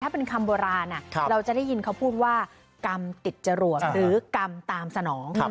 ถ้าเป็นคำโบราณเราจะได้ยินเขาพูดว่ากรรมติดจรวกหรือกรรมตามสนอง